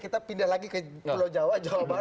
kita pindah lagi ke pulau jawa